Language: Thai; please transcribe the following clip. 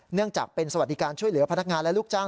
เนื่องจากเป็นสวัสดิการช่วยเหลือพนักงานและลูกจ้าง